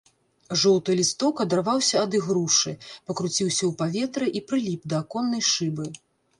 Жоўты лісток адарваўся ад ігрушы, пакруціўся ў паветры і прыліп да аконнай шыбы.